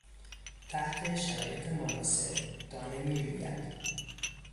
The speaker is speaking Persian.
تحت شرایط مناسب دانه میروید.